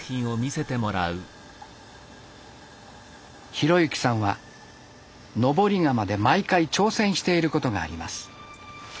浩之さんは登り窯で毎回挑戦していることがあります。